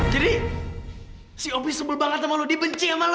jadi si opie sebel banget sama lo dibenci sama lo